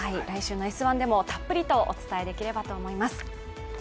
来週の「Ｓ☆１」でもたっぷりとお伝えできればと思います。